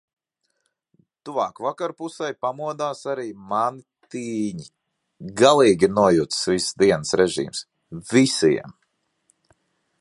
Tuvāk vakarpusei pamodās arī mani tīņi... galīgi ir nojucis viss dienas režīms. visiem.